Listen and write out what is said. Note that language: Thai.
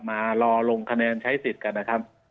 มารอลงคะแนนใช้สิทธิ์กันนะครับ